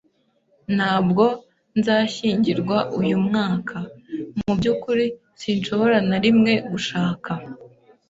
Ntabwo nzashyingirwa uyu mwaka. Mubyukuri, sinshobora na rimwe gushaka.